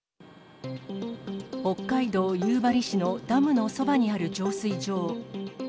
北海道夕張市のダムのそばにある浄水場。